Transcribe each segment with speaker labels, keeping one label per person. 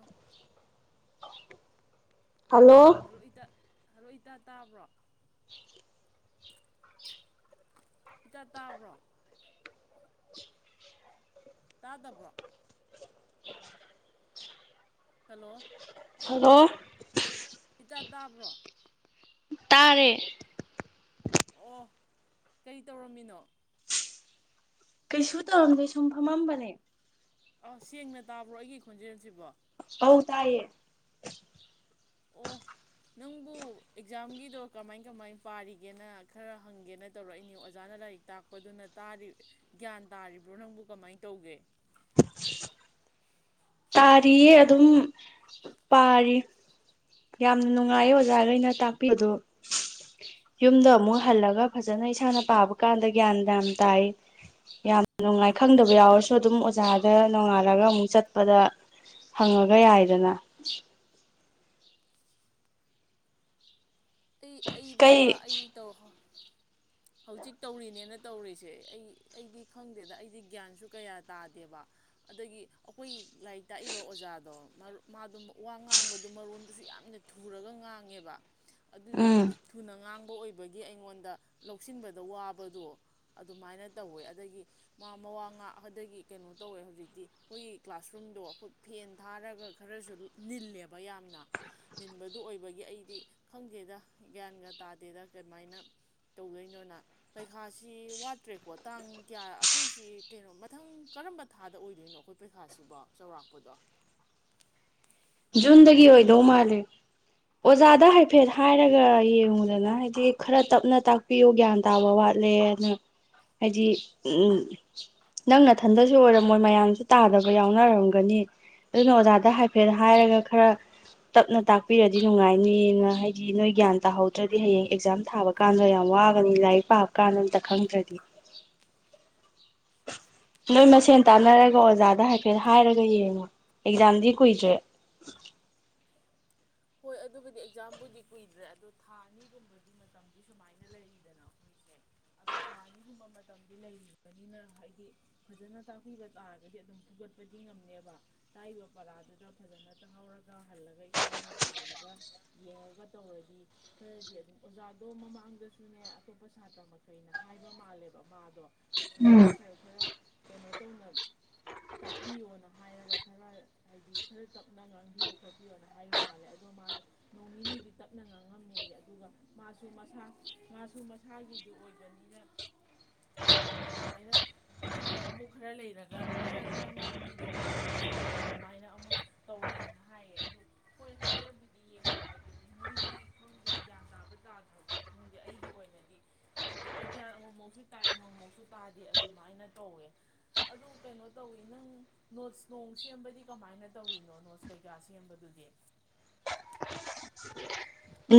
Speaker 1: ꯑꯣ
Speaker 2: hello
Speaker 1: hello ꯏꯇꯥ hello ꯏꯇꯥꯥ ꯇꯥꯕ꯭ꯔꯣ ꯏꯇꯥ ꯇꯥꯕ꯭ꯔꯣ ꯇꯥꯗꯕ꯭ꯔꯣ ꯍꯜꯂꯣ
Speaker 2: ꯍꯜꯂꯣ
Speaker 1: ꯏꯇꯥ ꯇꯥꯕ꯭ꯔꯣ
Speaker 2: ꯇꯥꯔꯦ
Speaker 1: ꯑꯣ ꯀꯩ ꯇꯧꯔꯝꯃꯤꯅꯣ
Speaker 2: ꯀꯩꯁꯨ ꯇꯧꯔꯝꯗꯦ ꯁꯨꯝ ꯐꯝꯃꯝꯕꯅꯦ
Speaker 1: ꯑ ꯁꯦꯡꯅ ꯇꯥꯕ꯭ꯔꯣ ꯑꯩꯒꯤ ꯈꯣꯟꯖꯦꯜꯁꯤꯕꯣ
Speaker 2: ꯑꯧ ꯇꯥꯏꯌꯦ
Speaker 1: ꯑꯣ ꯅꯪꯕꯨ ꯑꯦꯛꯖꯥꯝꯒꯤꯗꯣ ꯀꯃꯥꯏ ꯀꯃꯥꯏ ꯄꯥꯔꯤꯒꯦꯅ ꯈꯔ ꯍꯪꯒꯦꯅ ꯇꯧꯔꯛꯏꯅꯤ ꯑꯣꯖꯥꯅ ꯂꯥꯏꯔꯤꯛ ꯇꯥꯛꯄꯗꯨꯅ ꯒ꯭ꯌꯥꯟ ꯇꯥꯔꯤꯕ꯭ꯔꯣ ꯅꯪꯕꯨ ꯀꯃꯥꯏꯅ ꯇꯧꯒꯦ
Speaker 2: ꯇꯥꯔꯤꯌꯦ ꯑꯗꯨꯝ ꯄꯥꯔꯤ ꯌꯥꯝꯅ ꯅꯨꯡꯉꯥꯏꯌꯦ ꯑꯣꯖꯥꯈꯩꯅ ꯇꯥꯛꯄꯤꯗꯣ ꯌꯨꯝꯗ ꯑꯃꯨꯛ ꯍꯜꯂꯒ ꯐꯖꯅ ꯏꯁꯥꯅ ꯄꯥꯕ ꯀꯥꯟꯗ ꯒ꯭ꯌꯥꯟ ꯌꯥꯝ ꯇꯥꯏ ꯌꯥꯝ ꯅꯨꯡꯉꯥꯏ ꯈꯪꯗꯕ ꯌꯥꯎꯔꯁꯨ ꯑꯗꯨꯝ ꯑꯣꯖꯥꯗ ꯅꯣꯡꯉꯥꯜꯂꯒ ꯑꯃꯨꯛ ꯆꯠ ꯄꯗ ꯍꯪꯉꯒ ꯌꯥꯏꯗꯅ
Speaker 1: ꯑꯩ
Speaker 2: ꯀꯩ
Speaker 1: ꯑꯩꯗꯦꯕ ꯑꯩ ꯇꯧꯔꯛꯍꯣ ꯍꯧꯖꯤꯛ ꯇꯧꯔꯤꯅꯦꯅ ꯇꯧꯔꯤꯁꯦ ꯑꯩ ꯑꯩꯗꯤ ꯈꯪꯗꯦꯗ ꯑꯩꯗꯤ ꯒ꯭ꯌꯥꯟꯁꯨ ꯀꯌꯥ ꯇꯥꯗꯦꯕ ꯑꯗꯒꯤ ꯑꯩꯈꯣꯏ ꯂꯥꯏꯔꯤꯛ ꯇꯥꯛꯏꯕ ꯑꯣꯖꯥꯗꯣ ꯃꯔꯨ ꯃꯥꯗꯣ ꯋꯥ ꯉꯥꯡꯕꯗꯣ ꯃꯔꯣꯟꯗꯨꯁꯨ ꯌꯥꯝꯅ ꯊꯨꯔꯒ ꯉꯥꯡꯉꯦꯕ ꯑꯗꯨꯗꯒꯤ
Speaker 2: ꯎꯝ
Speaker 1: ꯊꯨꯅ ꯉꯥꯡꯕ ꯑꯣꯏꯕꯒꯤ ꯑꯩꯉꯣꯟꯗ ꯂꯧꯁꯤꯟꯕꯗ ꯋꯥꯕꯗꯣ ꯑꯗꯨꯃꯥꯏꯅ ꯇꯧꯋꯦ ꯑꯗꯒꯤ ꯃꯥ ꯃꯋꯥ ꯉꯥꯛ ꯑꯗꯒꯤ ꯀꯩꯅꯣ ꯇꯧꯋꯦ ꯍꯧꯖꯤꯛꯇꯤ ꯑꯩꯈꯣꯏꯒꯤ ꯀ꯭ꯂꯥꯁꯔꯨꯝꯗꯣ ꯑꯩꯈꯣꯏ ꯐꯦꯟ ꯊꯥꯔꯒ ꯈꯔꯁꯨ ꯅꯤꯜꯂꯦꯕ ꯌꯥꯝꯅ ꯅꯤꯟꯕꯗꯨ ꯑꯣꯏꯕꯒꯤ ꯑꯩꯗꯤ ꯈꯪꯗꯦꯗ ꯒ꯭ꯌꯥꯟꯒ ꯇꯥꯗꯦꯗ ꯀꯃꯥꯏꯅ ꯇꯧꯗꯣꯏꯅꯣꯅ ꯄꯩꯈꯥꯁꯤ ꯋꯥꯠꯇ꯭ꯔꯦꯀꯣ ꯇꯥꯡ ꯀꯌꯥ ꯑꯩꯈꯣꯏꯁꯤ ꯀꯩꯅꯣ ꯃꯊꯪ ꯀꯔꯝꯕ ꯊꯥꯗ ꯑꯣꯏꯗꯣꯏꯅꯣ ꯑꯩꯈꯣꯏ ꯄꯔꯤꯈꯥꯁꯤꯕꯣ ꯆꯥꯎꯧꯔꯥꯛꯄꯗꯣ
Speaker 2: ꯖꯨꯟꯗꯒꯤ ꯑꯣꯏꯗꯧ ꯃꯥꯜꯂꯦ ꯑꯣꯖꯥꯗ ꯍꯥꯏꯐꯦꯠ ꯍꯥꯏꯔꯒ ꯌꯦꯡꯉꯨꯗꯅ ꯍꯥꯏꯗꯤ ꯈꯔ ꯇꯞꯅ ꯇꯥꯛꯄꯤ ꯄꯤꯌꯣ ꯒ꯭ꯌꯥꯟ ꯇꯥꯕ ꯋꯥꯠꯂꯦꯅ ꯍꯥꯏꯗꯤ ꯎꯝ ꯅꯪ ꯅꯊꯟꯗꯁꯨ ꯑꯣꯏꯔꯝꯃꯣꯏ ꯃꯌꯥꯝꯁꯨ ꯇꯥꯗꯕ ꯌꯥꯎꯅꯔꯝꯒꯅꯤ ꯑꯗꯨꯅ ꯑꯣꯖꯥꯗ ꯍꯥꯏꯐꯦꯠ ꯍꯥꯏꯔꯒ ꯈꯔ ꯇꯞꯅ ꯇꯥꯛꯄꯤꯔꯗꯤ ꯅꯨꯡꯉꯥꯏꯅꯦꯅ ꯍꯥꯏꯗꯤ ꯅꯣꯏ ꯒ꯭ꯌꯥꯟ ꯇꯥꯍꯧꯗ꯭ꯔꯗꯤ ꯍꯌꯦꯡ ꯑꯦꯛꯖꯥꯝ ꯊꯥꯕ ꯀꯥꯟꯗ ꯌꯥꯝ ꯋꯥꯒꯅꯤ ꯂꯥꯏꯔꯤꯛ ꯄꯥꯕ ꯀꯥꯟꯗ ꯑꯝ ꯈꯪꯗ꯭ꯔꯗꯤ ꯅꯣꯏ ꯃꯁꯦꯟ ꯇꯥꯟꯅꯔꯒ ꯑꯣꯖꯥꯗ ꯍꯥꯏꯐꯦꯠ ꯍꯥꯏꯔꯒ ꯌꯦꯡꯉꯣ ꯑꯦꯛꯖꯥꯝꯗꯤ ꯀꯨꯏꯗ꯭ꯔꯦ
Speaker 1: ꯍꯣꯏ ꯑꯗꯨꯕꯨꯗꯤ ꯑꯦꯛꯖꯥꯝꯕꯨꯗꯤ ꯀꯨꯏꯗ꯭ꯔꯦ ꯑꯗꯣ ꯊꯥ ꯑꯅꯤꯒꯨꯝꯕꯗꯤ ꯃꯇꯝꯗꯤ ꯁꯨꯃꯥꯏꯅ ꯂꯩꯔꯤꯗꯅ ꯃꯈꯣꯏꯁꯦ ꯑꯗꯨ ꯊꯥ ꯑꯅꯤꯒꯨꯝꯕ ꯃꯇꯝꯗꯤ ꯂꯩꯔꯤꯕꯅꯤꯅ ꯍꯥꯏꯗꯤ ꯐꯖꯅ ꯇꯥꯛꯄꯤꯕ ꯇꯥꯔꯒꯗꯤ ꯑꯗꯨꯝ ꯐꯨꯒꯠꯄꯗꯤ ꯉꯝꯅꯦꯕ ꯇꯥꯛꯏꯕ ꯄꯔꯥꯗꯨꯗ ꯐꯖꯅ ꯇꯥꯍꯧꯔꯒ ꯍꯜꯂꯒ ꯏꯁꯥꯅ ꯄꯥꯔꯒ ꯌꯦꯡꯉꯒ ꯇꯧꯔꯗꯤ ꯈꯔꯗꯤ ꯑꯗꯨꯝ ꯑꯣꯖꯥꯗꯣ ꯃꯃꯥꯡꯗꯁꯨꯅꯦ ꯑꯇꯣꯞꯄ ꯁꯥꯇ꯭ꯔ ꯃꯈꯩꯅ ꯍꯥꯏꯕ ꯃꯥꯜꯂꯦꯕ ꯃꯥꯗꯣ ꯁꯨꯃꯥꯏꯅ ꯁꯥꯔ ꯈꯔ ꯀꯩꯅꯣ ꯇꯧꯅ ꯇꯥꯛꯄꯤꯌꯣꯅ ꯍꯥꯏꯔꯒ ꯈꯔ ꯍꯥꯏꯗꯤ ꯈꯔ ꯇꯞꯅ ꯉꯥꯡꯕꯤꯌꯨ ꯈꯣꯠꯄꯤꯌꯣꯅ ꯍꯥꯏꯔꯨ ꯃꯥꯜꯂꯦ ꯃꯥꯗ ꯅꯣꯡ ꯅꯤꯅꯤꯗꯤ ꯇꯞꯅ ꯉꯥꯡꯉꯝꯃꯦꯌꯦ ꯑꯗꯨꯒ ꯃꯥꯁꯨ ꯃꯁꯥ ꯃꯥꯁꯨ ꯃꯁꯥꯒꯤꯗꯨ ꯑꯣꯏꯕꯅꯤꯅ
Speaker 2: [unintelligible]
Speaker 1: ꯑꯗꯨꯃꯥꯏꯅ ꯊꯨꯅ ꯑꯃꯨꯛ ꯈꯔ ꯂꯩꯔꯒ ꯖꯔ ꯖꯔ ꯉꯥꯡꯕꯤꯗꯣ ꯃꯥꯒꯤ ꯃꯁꯥꯒꯤ ꯑꯗꯨꯃꯥꯏꯅ ꯑꯃꯨꯛ ꯇꯧꯔꯛꯑꯦꯅ ꯍꯥꯏꯌꯦ ꯑꯗꯨ ꯍꯥꯏꯔꯕꯗꯤ ꯌꯦꯡꯕ ꯍꯥꯏꯗꯣꯏꯅꯤ ꯃꯣꯏꯗꯤ ꯈꯪꯗꯦ ꯒ꯭ꯌꯥꯟ ꯇꯥꯕ ꯇꯥꯗ꯭ꯔꯕ ꯈꯪꯗꯦ ꯑꯩꯒꯤ ꯑꯣꯏꯅꯗꯤ ꯒ꯭ꯌꯥꯟ ꯑꯃꯃꯨꯛꯁꯨ ꯇꯥꯏ ꯑꯃꯃꯃꯨꯛꯁꯨ ꯇꯥꯗꯦ ꯑꯗꯨꯃꯥꯏꯅ ꯇꯧꯋꯦ ꯑꯗꯨ ꯀꯩꯅꯣ ꯇꯧꯋꯤ ꯅꯪ ꯅꯣꯠꯁ ꯅꯣꯡ ꯁꯦꯝꯕꯗꯤ ꯀꯃꯥꯏꯅ ꯇꯧꯔꯤꯅꯣ ꯅꯣꯠꯁ ꯀꯩꯀꯥ ꯁꯦꯝꯕꯗꯨꯗꯤ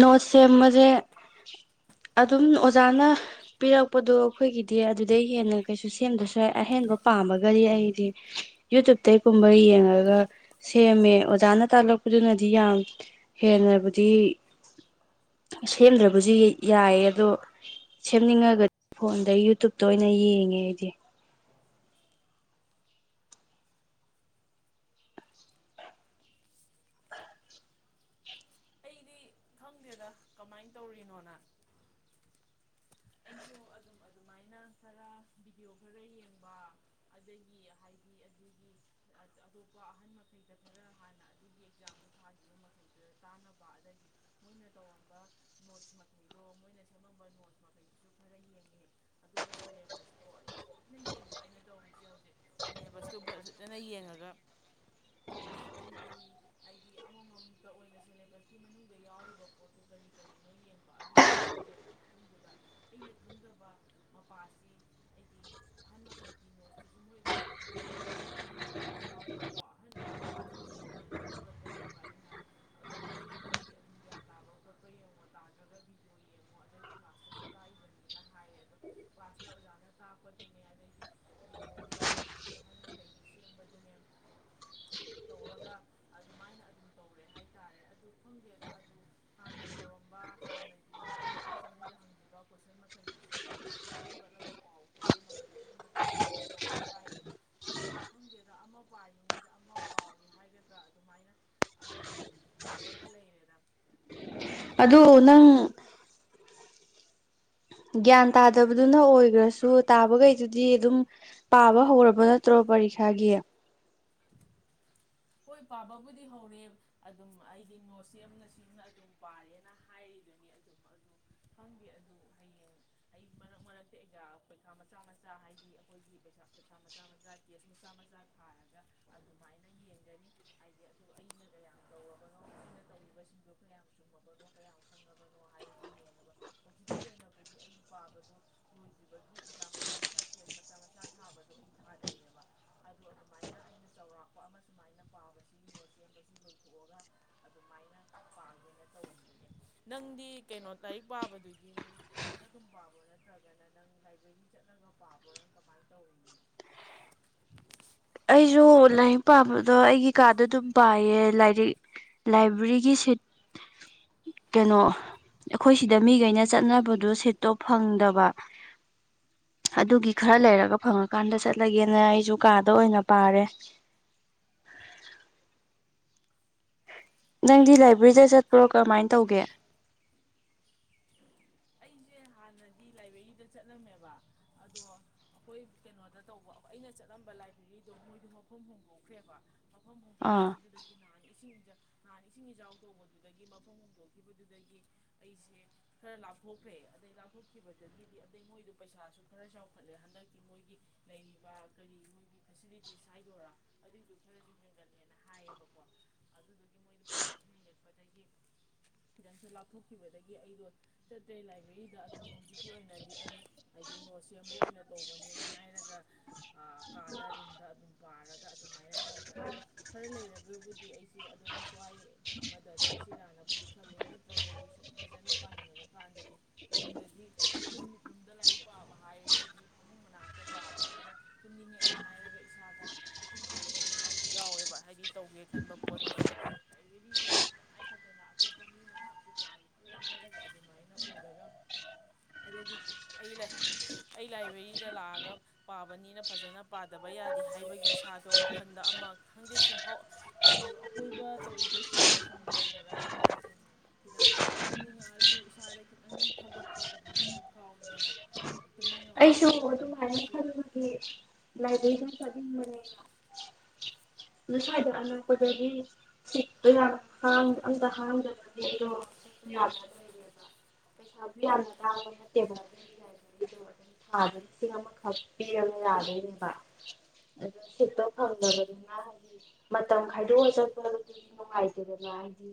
Speaker 2: ꯅꯣꯠ ꯁꯦꯝꯕꯁꯦ ꯑꯗꯨꯝ ꯑꯣꯖꯥꯅ ꯄꯤꯔꯛꯄꯗꯣ ꯑꯩꯈꯣꯏꯒꯤꯗꯤ ꯑꯗꯨꯗꯩ ꯍꯦꯟꯅ ꯀꯩꯁꯨ ꯁꯦꯝꯗꯁꯨ ꯌꯥꯏ ꯑꯍꯦꯟꯕ ꯄꯥꯝꯃꯒꯗꯤ ꯑꯩꯗꯤ ꯌꯨꯇ꯭ꯌꯨꯕꯇꯩꯒꯨꯝꯕ ꯌꯦꯡꯉꯒ ꯁꯦꯝꯃꯦ ꯑꯣꯖꯥꯅ ꯇꯥꯛꯂꯛꯄꯗꯨꯅꯗꯤ ꯌꯥꯝ ꯍꯦꯟꯅꯕꯨꯗꯤ ꯁꯦꯝꯗ꯭ꯔꯕꯁꯨ ꯌꯥꯏꯌꯦ ꯑꯗꯣ ꯁꯦꯝꯅꯤꯡꯉꯒꯗꯤ ꯐꯣꯟꯗ ꯌꯨꯇꯨꯨꯞꯇ ꯑꯣꯏꯅ ꯌꯦꯡꯉꯦ ꯑꯩꯗꯤ
Speaker 1: ꯑꯩꯗꯤ ꯈꯪꯗꯦꯗ ꯀꯃꯥꯏꯅ ꯇꯧꯔꯤꯅꯣꯅ ꯑꯩꯁꯨ ꯑꯗꯨꯝ ꯑꯗꯨꯃꯥꯏꯅ ꯈꯔ ꯚꯤꯗꯤꯑꯣ ꯈꯔ ꯌꯦꯡꯕ ꯑꯗꯒꯤ ꯍꯥꯏꯗꯤ ꯑꯗꯨꯒꯤ ꯑꯇꯣꯞꯄ ꯑꯍꯟ ꯃꯈꯩꯗ ꯈꯔ ꯍꯥꯟꯅ ꯑꯗꯨꯒꯤ ꯑꯦꯛꯖꯥꯝꯗ ꯊꯥꯈꯤꯕ ꯃꯈꯩ ꯆꯥꯅꯕ ꯑꯗꯒꯤ ꯃꯣꯏꯅ ꯇꯧꯔꯝꯕ ꯅꯣꯠꯁ ꯃꯈꯩꯗꯣ ꯃꯣꯏꯅ ꯁꯦꯝꯃꯝꯕ ꯅꯣꯠꯁ ꯃꯈꯩꯗꯨꯁꯨ ꯈꯔ ꯌꯦꯡꯉꯦ ꯑꯗꯨꯒ ꯁꯤꯂꯦꯕꯁꯇꯣ ꯐꯖꯅ ꯌꯦꯡꯕ ꯑꯩꯅ ꯇꯧꯔꯤꯁꯦ ꯍꯧꯖꯤꯛ ꯁꯤꯂꯦꯕꯁꯇꯨ ꯐꯖꯅ ꯌꯦꯡꯉꯒ ꯀꯔꯤ ꯀꯔꯤ ꯍꯥꯏꯗꯤ ꯑꯃꯃꯝꯇ ꯑꯣꯏꯅ ꯁꯦꯂꯦꯕꯁꯀꯤ ꯃꯅꯨꯡꯗ ꯌꯥꯎꯔꯤꯕ ꯄꯣꯠꯇꯨ ꯀꯔꯤ ꯀꯔꯤꯅꯣ ꯌꯦꯡꯕ ꯑꯗꯨ ꯌꯦꯡꯕ ꯂꯣꯏꯔ ꯃꯇꯨꯡꯗꯨꯗ ꯑꯩꯅ ꯈꯪꯗꯕ ꯃꯄꯥꯁꯤ ꯑꯩꯗꯤ ꯑꯍꯟ ꯃꯈꯩꯒꯤ ꯅꯣꯠꯁꯇꯨꯁꯨ ꯃꯣꯏ ꯑꯗꯨꯝ ꯐꯖꯅ ꯁꯦꯝꯕꯁꯨ ꯌꯥꯎꯗꯤ ꯌꯥꯎꯋꯦꯕꯀꯣ ꯑꯍꯟ ꯑꯅꯤꯒꯤ ꯅꯣꯠꯁ ꯑꯗꯨꯃꯥꯏꯅ ꯈꯨꯝꯒꯠꯄꯅꯦꯕ ꯑꯩꯅ ꯑꯗꯣ ꯃꯣꯏꯅꯕꯨꯗꯤ ꯑꯗꯨꯝ ꯒ꯭ꯌꯥꯟ ꯇꯥꯕ꯭ꯔꯥ ꯈꯣꯠꯄ꯭ꯔ ꯌꯦꯡꯉꯣ ꯇꯥꯗ꯭ꯔꯒ ꯕꯤꯗ꯭ꯌꯣ ꯌꯦꯡꯉꯣ ꯑꯗꯩ ꯀ꯭ꯂꯥꯁꯇꯁꯨ ꯂꯥꯛꯏꯕꯅꯤꯅ ꯍꯥꯏꯌꯦ ꯑꯗꯣ ꯀ꯭ꯂꯥꯁꯇ ꯑꯣꯖꯥꯅ ꯇꯥꯛꯄꯗꯨꯅꯦ ꯑꯗꯩꯗꯤ ꯌꯦꯡꯉꯦ ꯑꯗꯩ ꯑꯍꯜ ꯃꯈꯩꯒꯤ ꯁꯦꯝꯕꯗꯨꯅꯦ ꯇꯧꯔꯒ ꯑꯗꯨꯃꯥꯏꯅ ꯑꯗꯨꯝ ꯇꯧꯔꯦ ꯍꯥꯏꯇꯥꯔꯦ ꯑꯗꯨ ꯈꯪꯗꯦꯗ ꯑꯗꯨ ꯍꯥꯟꯅ ꯇꯧꯔꯝꯕ ꯍꯥꯟꯅꯒꯤ ꯃꯃꯥꯡ ꯃꯃꯥꯡ ꯆꯍꯤꯗ ꯍꯪꯈꯤꯕ ꯀꯣꯏꯁꯟ ꯃꯈꯩꯗꯨꯁꯨ ꯑꯗꯨꯃꯥꯏꯅ ꯈꯣꯝꯒꯠꯂꯒ ꯄꯥꯎ ꯈꯣꯠꯂꯣꯅꯕꯨꯒꯤ ꯍꯟꯅ ꯃꯈꯩꯅꯕꯨꯗꯤ ꯌꯥꯝꯅ ꯍꯥꯏꯌꯦ ꯑꯗꯨ ꯈꯪꯗꯦꯗ ꯑꯃ ꯄꯥꯏꯔꯤꯉꯩꯗ ꯑꯃ ꯀꯥꯎꯏ ꯍꯥꯏꯒꯗ꯭ꯔꯥ ꯑꯗꯨꯃꯥꯏꯅ ꯑꯗꯨꯝ ꯇꯧꯔꯒ ꯂꯩꯔꯦꯗ ꯑꯗꯨ ꯅꯪꯗꯤ
Speaker 2: ꯒ꯭ꯌꯥꯟ ꯇꯥꯗꯕꯗꯨꯅ ꯑꯣꯏꯈ꯭ꯔꯁꯨ ꯇꯥꯕꯈꯩꯗꯨꯗꯤ ꯑꯗꯨꯝ ꯄꯥꯕ ꯍꯧꯔꯕ ꯅꯠꯇ꯭ꯔꯣ ꯄꯔꯤꯈꯥꯒꯤ
Speaker 1: ꯍꯣꯏ ꯄꯥꯕꯕꯨꯗꯤ ꯍꯧꯔꯦ ꯑꯗꯨꯝ ꯑꯩꯗꯤ ꯅꯣꯠ ꯁꯦꯝꯅ ꯁꯦꯝꯅ ꯑꯗꯨꯝ ꯄꯥꯔꯦꯅ ꯍꯥꯏꯔꯤꯗꯨꯅꯤ ꯑꯗꯨꯝ ꯑꯗꯨ ꯈꯪꯗꯦ ꯑꯗꯨ ꯍꯌꯦꯡ ꯑꯩ ꯃꯔꯛ ꯃꯔꯛꯇ ꯑꯦꯛꯖꯥꯝ ꯄꯩꯈꯥ ꯃꯆꯥ ꯃꯆꯥ ꯍꯥꯏꯗꯤ ꯑꯩꯈꯣꯏꯒꯤ ꯄꯩꯈꯥ ꯃꯆꯥ ꯃꯆꯥ ꯇꯦꯁ ꯃꯆꯥ ꯃꯆꯥ ꯊꯥꯔꯒ ꯑꯗꯨꯃꯥꯏꯅ ꯌꯦꯡꯒꯅꯤ ꯍꯥꯏꯗꯤ ꯑꯗꯨꯗ ꯑꯩꯅ ꯀꯌꯥꯝ ꯇꯧꯔꯕꯅꯣ ꯑꯩꯅ ꯇꯧꯔꯤꯕꯁꯤꯡꯗꯣ ꯀꯌꯥꯝ ꯆꯨꯝꯃꯕꯅꯣ ꯀꯌꯥꯝ ꯈꯪꯉꯕꯅꯣ ꯍꯥꯏꯕꯗꯨ ꯌꯦꯡꯕ ꯍꯧꯖꯤꯛꯀꯤ ꯑꯣꯏꯅꯕꯨꯗꯤ ꯑꯩ ꯄꯥꯕꯗꯨ ꯂꯣꯏꯗ꯭ꯔꯤꯕꯒꯤ ꯑꯦꯛꯖꯥꯝ ꯃꯆꯥ ꯃꯆꯥ ꯇꯦꯁ ꯃꯆꯥ ꯃꯆꯥ ꯊꯥꯕꯗꯣ ꯑꯩꯅ ꯊꯥꯖꯩꯔꯤꯑꯕ ꯑꯗꯣ ꯑꯗꯨꯃꯥꯏꯅ ꯑꯩꯅ ꯆꯥꯎꯧꯔꯥꯛꯄ ꯑꯃ ꯁꯨꯃꯥꯏꯅ ꯄꯥꯕꯁꯤ ꯌꯉꯣ ꯁꯦꯝꯕꯁꯨ ꯂꯣꯏꯊꯣꯛꯑꯒ ꯑꯗꯨꯃꯥꯏꯅ ꯄꯥꯒꯦꯅ ꯇꯧꯅꯤ ꯅꯪꯗꯤ ꯀꯩꯅꯣ ꯂꯥꯏꯔꯤꯛ ꯄꯥꯕꯗꯨꯗꯤ ꯅꯪ ꯀꯥꯗ ꯑꯗꯨꯝ ꯄꯥꯕ ꯅꯠꯇ꯭ꯔꯒꯅ ꯅꯪ ꯍꯥꯏꯕꯒꯤ ꯆꯠꯂꯒ ꯄꯥꯕ꯭ꯔꯣꯥ ꯀꯃꯥꯏꯅ ꯇꯧꯔꯤꯅꯣ
Speaker 2: ꯑꯩꯁꯨ ꯂꯥꯏꯔꯤꯛ ꯄꯥꯝꯕꯗꯣ ꯑꯩꯒꯤ ꯀꯥꯗ ꯑꯗꯨꯝ ꯄꯥꯏꯌꯦ ꯂꯥꯏꯔꯤꯛ ꯂꯥꯏꯕ꯭ꯔꯦꯔꯤꯒꯤ ꯁꯤꯠ ꯀꯩꯅꯣ ꯑꯩꯈꯣꯏ ꯁꯤꯗ ꯃꯤꯈꯩꯅ ꯆꯠꯅꯕꯗꯨ ꯁꯦꯠꯇꯣ ꯐꯪꯗꯕ ꯑꯗꯨꯒꯤ ꯈꯔ ꯂꯩꯔꯒ ꯐꯪꯉꯀꯥꯟꯗ ꯆꯠꯂꯒꯦꯅ ꯑꯩꯁꯨ ꯀꯥꯗ ꯑꯣꯏꯅ ꯄꯥꯔꯦ ꯅꯪꯗꯤ ꯂꯥꯏꯕ꯭ꯔꯦꯔꯤꯗ ꯆꯠꯄ꯭ꯔꯣ ꯀꯔꯃꯥꯏꯅ ꯇꯧꯒꯦ
Speaker 1: ꯑꯩꯁꯦ ꯍꯥꯟꯅꯗꯤ ꯂꯥꯏꯕ꯭ꯔꯦꯔꯤꯗ ꯆꯠꯂꯝꯃꯦꯕ ꯑꯗꯣ ꯑꯩꯈꯣꯏ ꯀꯩꯅꯣꯗ ꯇꯧꯕ ꯑꯩꯅ ꯆꯠꯂꯝꯝꯕ ꯂꯥꯏꯕ꯭ꯔꯦꯔꯤꯗꯣ ꯃꯣꯏꯗ ꯃꯐꯝ ꯍꯣꯡꯗꯣꯛꯈ꯭ꯔꯦꯕ ꯑꯕꯨ ꯍꯥꯎ
Speaker 2: ꯑꯥ
Speaker 1: ꯍꯤꯗꯤ ꯂꯩ ꯅꯍꯥꯟꯅ ꯏꯁꯤꯡ ꯏ ꯅꯥꯟꯅ ꯏꯁꯤꯡ ꯏꯆꯥꯎ ꯇꯧꯕꯗꯨꯗꯒꯤ ꯃꯐꯝ ꯍꯣꯡꯗꯣꯛꯈꯤꯕꯗꯨꯗꯒꯤ ꯑꯩꯁꯦ ꯈꯔ ꯂꯥꯛ ꯊꯣꯛꯈ꯭ꯔꯦ ꯑꯗꯩ ꯂꯥꯎꯞꯊꯣꯛꯈꯤꯕꯗꯒꯤꯗꯤ ꯑꯗꯩ ꯃꯣꯏꯗ ꯄꯩꯁꯥꯁꯨ ꯈꯔ ꯆꯥꯎꯈꯠꯂꯦ ꯍꯟꯗꯛꯇꯤ ꯃꯣꯏꯒꯤ ꯂꯩꯔꯤꯕ ꯀꯔꯤ ꯃꯣꯏꯒꯤ ꯐꯦꯁꯤꯂꯤꯇꯤꯁ ꯍꯥꯏꯗꯣꯏꯔꯥ ꯑꯗꯨꯏꯗꯨ ꯈꯔꯁꯨ ꯍꯦꯟꯒꯠꯂꯦ ꯍꯥꯏꯌꯦꯕꯀꯣ ꯑꯗꯨꯗꯨ ꯃꯣꯏꯅ ꯄꯩꯁꯥꯁꯨ ꯍꯦꯟꯒꯠꯄꯗꯒꯤ ꯈꯤꯇꯪꯁꯨ ꯂꯥꯞꯊꯣꯛꯈꯤꯕꯗꯒꯤ ꯑꯩꯗꯣ ꯆꯠꯇ꯭ꯔꯦ ꯂꯥꯏꯕ꯭ꯔꯦꯔꯤꯗ ꯑꯗꯨꯝ ꯍꯧꯖꯤꯛꯀꯤ ꯑꯣꯏꯅꯗꯤ ꯑꯩ ꯍꯥꯏꯗꯤ ꯅꯣꯠ ꯁꯦꯝꯕ ꯑꯣꯏꯅ ꯇꯧꯕꯅꯦꯅ ꯍꯥꯏꯔꯒ ꯀꯥꯗ ꯔꯨꯝꯗ ꯑꯗꯨꯝ ꯄꯥꯔꯒ ꯑꯗꯨꯃꯥꯏꯅ ꯇꯧꯋꯤ ꯑꯗꯨ ꯈꯔ ꯂꯩꯔꯒꯕꯨꯗꯤ ꯑꯩꯁꯤꯦ ꯑꯗꯨꯝ ꯁ꯭ꯋꯥꯏ ꯑꯃꯗ ꯆꯠꯁꯤꯔꯥꯅꯕꯨꯗꯤ ꯈꯜꯂꯤ ꯅꯠꯇ꯭ꯔꯒꯗꯤ ꯁꯨꯝ ꯐꯖꯅ ꯄꯥꯅꯤꯡꯉꯕꯀꯥꯟꯗꯗꯤ ꯌꯨꯝꯗꯗꯤ ꯇꯨꯃꯤꯠ ꯂꯨꯝꯗ ꯂꯥꯏꯔꯤꯛ ꯄꯥꯕ ꯍꯥꯏꯔꯤꯁꯤꯗꯤ ꯐꯃꯨꯡ ꯃꯅꯥꯛꯇ ꯄꯥꯕꯅꯤꯅ ꯇꯨꯝꯅꯤꯡꯉꯛꯑꯦ ꯍꯥꯏꯔꯒ ꯏꯁꯥꯗ ꯇꯨꯡꯊꯣꯛꯈꯤꯕ ꯅꯨꯃꯤꯠꯁꯨ ꯌꯥꯎꯋꯦꯕ ꯍꯥꯏꯗꯤ ꯇꯧꯒꯦ ꯈꯟꯕ ꯄꯣꯠꯇꯣ ꯑꯗꯨꯗꯣ ꯂꯥꯏꯕꯦꯔꯤꯗꯨꯗꯤ ꯇꯉꯥꯏ ꯐꯗꯅ ꯑꯇꯣꯞꯄ ꯃꯤ ꯃꯌꯥꯝꯁꯨ ꯄꯥꯔꯤꯀꯣ ꯍꯥꯏꯔꯒ ꯑꯗꯨꯃꯥꯏꯅ ꯎꯔꯒ ꯑꯗꯒꯤ ꯑꯩ ꯑꯩ ꯂꯥꯏꯕ꯭ꯔꯦꯔꯤꯗ ꯂꯥꯛꯑꯒ ꯄꯥꯕꯅꯤꯅ ꯐꯖꯅ ꯄꯥꯗꯕ ꯌꯥꯗꯦ ꯍꯥꯏꯕꯒꯤ ꯏꯁꯥꯗꯣ ꯋꯥꯈꯟꯗ ꯑꯃ ꯈꯪꯗꯦ ꯁꯨꯝ ꯀꯩꯅꯣ ꯑꯀꯣꯏꯕ ꯇꯧꯔꯤꯕꯁꯤꯡꯗꯨꯣ ꯁꯨꯝ ꯌꯦꯡꯉꯨꯔꯀꯥꯟꯗ ꯁꯨꯝ ꯈꯤꯇꯪ ꯇꯨꯝꯅꯤꯡꯉꯛꯑꯁꯨ ꯏꯁꯥꯗ ꯈꯤꯇꯪ ꯊꯧꯒꯠꯄ ꯑꯗꯨꯃꯥꯏꯅ ꯐꯥꯎꯋꯤꯗꯅ ꯑꯩ ꯇꯨꯝꯅꯤꯡꯉꯝꯃꯁꯨ ꯑꯗꯨꯃꯥꯏꯅ ꯑꯩꯁꯤ
Speaker 2: ꯂꯥꯏꯕꯦꯔꯤ ꯆ ꯃ ꯑꯗꯨ ꯁ꯭ꯋꯥꯏꯗ ꯑꯅꯛꯄꯗꯒꯤ ꯁꯤ ꯌꯥꯝ ꯑꯝꯇ ꯍꯥꯡꯖꯕꯅꯦ ꯑꯗꯣ ꯂꯩꯔꯦꯕ ꯄꯩꯁꯥꯁꯨ ꯌꯥꯝꯅ ꯂꯥꯡꯕ ꯅꯠꯇꯦꯕ ꯑꯗꯨ ꯗꯁꯁꯤ ꯀꯞꯅ ꯌꯥꯗꯕ ꯁꯇ ꯈꯥꯎꯗꯒ ꯍꯥꯏ ꯃꯇꯝ ꯈꯥꯏꯗꯣꯛꯑ ꯆꯠꯄ ꯅꯨꯡꯉꯥꯏꯇꯦꯗꯅ ꯍꯥꯏꯗꯤ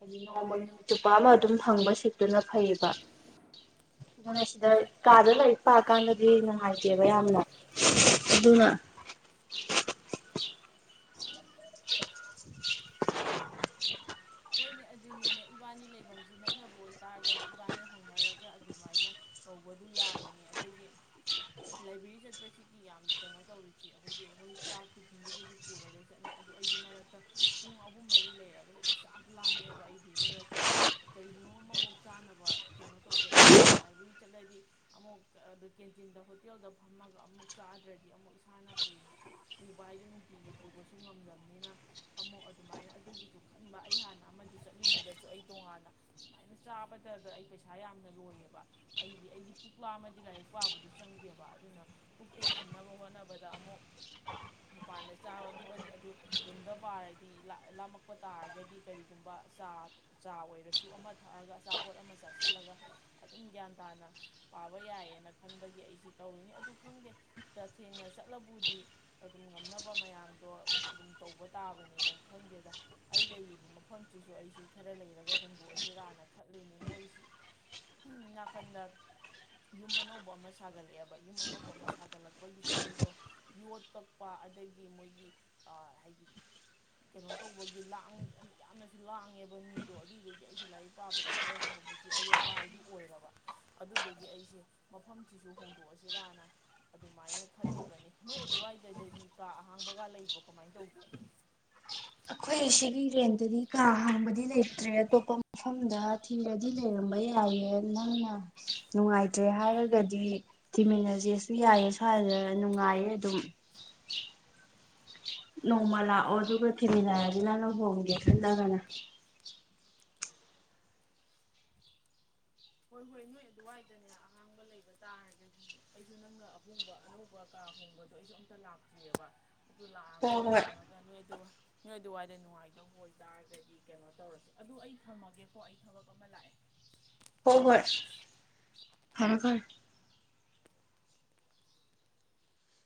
Speaker 2: ꯍꯥꯏꯗꯤ ꯅꯣꯡꯃ ꯅꯣꯡ ꯆꯨꯞꯄ ꯑꯃ ꯑꯗꯨꯝ ꯐꯪꯕ ꯁꯤꯠꯇꯨꯅ ꯐꯩꯌꯦꯕ ꯑꯗꯨꯅꯁꯤꯗ ꯀꯥꯗ ꯂꯩ ꯄꯥꯛꯀꯥꯟꯗꯗꯤ ꯅꯨꯡꯉꯥꯏꯇꯦꯕ ꯌꯥꯝꯅ ꯑꯗꯨꯅ [inaudible]
Speaker 1: ꯍꯣꯏꯅꯦ ꯑꯗꯨꯅꯤꯅꯦ ꯏꯕꯥꯅꯤ ꯂꯩꯐꯝꯁꯤ ꯅꯛꯅꯕ ꯑꯣꯏꯇꯥꯔꯒꯗꯤ ꯏꯕꯥꯅꯤ ꯍꯧꯅꯔꯒ ꯑꯗꯨꯃꯥꯏꯅ ꯇꯧꯕꯗꯨ ꯌꯥꯕꯅꯤ ꯑꯗꯒꯤ ꯂꯥꯏꯕ꯭ꯔꯦꯔꯤ ꯆꯠꯄꯁꯤꯒꯤ ꯌꯥꯝ ꯀꯩꯅꯣ ꯇꯧꯔꯤꯁꯤ ꯑꯩꯈꯣꯏꯒꯤ ꯃꯣꯏ ꯆꯥꯛꯀꯤ ꯊꯤꯟꯗꯨꯕꯨꯗꯤ ꯄꯨꯔꯒ ꯆꯠꯅꯤ ꯑꯗꯨ ꯑꯩꯗꯤ ꯃꯔꯛꯇ ꯄꯨꯡ ꯑꯍꯨꯝ ꯃꯔꯤ ꯂꯩꯔꯒꯗꯤ ꯂꯥꯝꯃꯦꯕ ꯑꯩꯗꯤ ꯃꯔꯛꯇ ꯑꯗꯨꯅ ꯀꯔꯤꯒꯤꯅꯣꯝ ꯑꯃꯃꯨꯛ ꯆꯥꯅꯕ ꯀꯩꯅꯣ ꯇꯧꯗ ꯇꯥꯔꯒꯗꯤ ꯂꯥꯏꯕ꯭ꯔꯦꯔꯤ ꯆꯠꯂꯗꯤ ꯑꯃꯨꯛ ꯑꯗꯨ ꯀꯦꯟꯇꯤꯟꯗ ꯍꯣꯇꯦꯜꯗ ꯐꯝꯃꯒ ꯑꯃꯨꯛ ꯆꯥꯗ꯭ꯔꯗꯤ ꯑꯃꯨꯛ ꯏꯁꯥꯅ ꯄꯨꯕ ꯄꯨꯕ ꯍꯥꯏꯗꯤ ꯅꯨꯡꯇꯤꯒꯤ ꯄꯨꯕꯁꯨ ꯉꯝꯗꯕꯅꯤꯅ ꯑꯃꯨꯛ ꯑꯗꯨꯃꯥꯏꯅ ꯑꯗꯨꯒꯤꯁꯨ ꯈꯟꯕ ꯑꯩ ꯍꯥꯟ ꯅ ꯑꯃꯗꯨ ꯆꯠꯂꯤꯉꯩꯗꯁꯨ ꯑꯩ ꯇꯣꯉꯥꯟꯅ ꯁꯨꯃꯥꯏꯅ ꯆꯥꯕꯗꯗ ꯑꯩ ꯄꯩꯁꯥ ꯌꯥꯝꯅ ꯂꯣꯏꯌꯦꯕ ꯑꯩꯗꯤ ꯑꯩꯗꯤ ꯄꯨꯛ ꯂꯥꯝꯃꯗꯤ ꯂꯥꯏꯔꯤꯛ ꯄꯥꯕꯗꯨ ꯆꯪꯗꯦꯕ ꯑꯗꯨꯅ ꯄꯨꯛꯇꯨ ꯊꯟꯅꯕ ꯍꯣꯠꯅꯕꯗ ꯑꯃꯨꯛ ꯃꯄꯥꯟꯗ ꯆꯥꯕ ꯊꯣꯛꯑꯅꯤ ꯑꯗꯨ ꯔꯨꯝꯗ ꯄꯥꯔꯗꯤ ꯂꯥ ꯂꯥꯝꯃꯛꯄ ꯇꯥꯔꯒꯗꯤ ꯀꯔꯤ ꯒꯨꯝꯕ ꯆꯥ ꯆꯥ ꯑꯣꯏꯔꯁꯨ ꯑꯃ ꯊꯛꯑꯒ ꯑꯆꯥꯄꯣꯠ ꯑꯃ ꯆꯥꯁꯤꯜꯂꯒ ꯑꯗꯨꯝ ꯒ꯭ꯌꯥꯟ ꯇꯥꯅ ꯄꯥꯕ ꯌꯥꯏꯌꯦꯅ ꯈꯟꯕꯒꯤ ꯑꯩꯁꯤ ꯇꯧꯔꯤꯅꯤ ꯑꯗꯨ ꯈꯪꯗꯦ ꯇꯊꯦꯡꯅ ꯆꯠꯂꯕꯨꯗꯤ ꯑꯗꯨꯝ ꯉꯝꯅꯕ ꯃꯌꯥꯝꯗꯣ ꯑꯗꯨꯝ ꯇꯧꯕ ꯇꯥꯕꯅꯤꯗ ꯈꯪꯗꯦꯗ ꯑꯩ ꯂꯩꯔꯤꯕ ꯃꯐ ꯃꯐꯝꯁꯤꯁꯨ ꯑꯩꯁꯤ ꯈꯔ ꯂꯩꯔꯒ ꯍꯣꯡꯗꯣꯛꯑꯁꯤ ꯔꯥꯅ ꯈꯠꯂꯤꯅꯤ ꯃꯣꯏꯁꯤ ꯅꯥꯀꯟꯗ ꯌꯨꯝ ꯑꯅꯧꯕ ꯑꯃ ꯁꯥꯒꯠꯂꯛꯑꯦꯕ ꯌꯨꯝ ꯑꯅꯧꯕ ꯑꯃ ꯁꯥꯒꯠꯂꯛꯄꯒꯤꯁꯨ ꯃꯣꯏꯗꯣ ꯌꯣꯠ ꯀꯛꯄ ꯑꯗꯒꯤ ꯃꯣꯏꯒꯤ ꯍꯥꯏꯗꯤ ꯀꯩꯅꯣ ꯇꯧꯕꯒꯤ ꯂꯥꯡ ꯌꯥꯝꯅꯁꯨ ꯂꯥꯡꯉꯦꯕ ꯃꯤꯗꯣ ꯑꯗꯨꯏꯗꯨꯒꯤ ꯑꯩꯁꯦ ꯂꯥꯏꯔꯤꯛ ꯄꯥꯕꯗ ꯈꯔꯁꯦ ꯍꯧꯖꯤꯛꯁ‌ꯦ ꯑꯌꯦꯠꯄ ꯍꯥꯏꯗꯨ ꯑꯣꯏꯔꯕ ꯑꯗꯨꯗꯨꯒꯤ ꯑꯩꯁꯦ ꯃꯐꯝꯁꯤꯁꯨ ꯍꯣꯡꯗꯣꯛꯑꯁꯤꯔꯥꯅ ꯑꯗꯨꯃꯥꯏꯅ ꯈꯜꯂꯤꯕꯅꯤ ꯅꯣꯏ ꯑꯗꯨꯋꯥꯏꯗꯗꯗꯤ ꯀꯥ ꯑꯍꯥꯡꯕꯒ ꯂꯩꯕ꯭ꯔꯣ ꯀꯃꯥꯏꯟ ꯇꯧꯒꯦ
Speaker 2: ꯑꯩꯈꯣꯏ ꯁꯤꯒꯤ ꯔꯦꯟꯗꯗꯤ ꯀꯥ ꯍꯥꯡꯕꯗꯤ ꯂꯩꯇ꯭ꯔꯦ ꯑꯇꯣꯞꯄ ꯃꯐꯝꯗ ꯊꯤꯔꯗꯤ ꯂꯩꯔꯝꯕ ꯌꯥꯏꯌ‌ꯦ ꯅꯪꯅ ꯅꯨꯡꯉꯥꯏꯇ꯭ꯔꯦ ꯍꯥꯏꯔꯒꯗꯤ ꯊꯤꯃꯤꯟꯅꯖ‌ꯦꯁꯨ ꯌꯥꯏꯌꯦ ꯁ꯭ꯋꯥꯏꯗ ꯅꯨꯡꯉꯥꯏꯌꯦ ꯑꯗꯨꯝ ꯅꯣꯡꯃ ꯂꯥꯛꯑꯣ ꯑꯗꯨꯒ ꯊꯤꯃꯤꯟꯅꯖꯤ ꯅꯪꯅ ꯍꯣꯡꯒꯦ ꯈꯜꯂꯒꯅ
Speaker 1: ꯍꯣꯏ ꯍꯣꯏ ꯅꯣꯏ ꯑꯗꯨꯋꯥꯏꯗꯅꯦ ꯑꯍꯥꯡꯕ ꯂꯩꯕ ꯇꯥꯔꯒꯗꯤ ꯑꯩꯁꯨ ꯅꯪꯅ ꯑꯍꯣꯡꯕ ꯑꯅꯧꯕ ꯀꯥ ꯑꯍꯣꯡꯕꯗꯣ ꯑꯩꯁꯨ ꯑꯝꯇ ꯂꯥꯛꯇ꯭ꯔꯤꯑꯦꯕ ꯑꯗꯨ ꯂꯥꯛꯑꯒ ꯌꯦꯡꯉꯒ ꯅꯣꯏ ꯑꯗꯨ ꯅꯣꯏ ꯑꯗꯨꯋꯥꯏꯗ ꯅꯨꯡꯉꯥꯏꯗꯧꯕ ꯑꯣꯏꯇꯥꯔꯒꯗꯤ ꯀꯩꯅꯣ ꯇꯧꯔꯁꯦ ꯑꯗꯨ ꯑꯩ ꯊꯝꯃꯒꯦꯀꯣ ꯑꯩ ꯊꯕꯛ ꯑꯃ ꯂꯥꯛꯑꯦ
Speaker 2: ꯍ‌ꯣꯍ‌ꯣꯏ ꯐꯔ‌ꯦ ꯐꯔ‌ꯦ